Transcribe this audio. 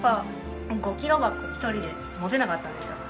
５キロ箱１人で持てなかったんですよ。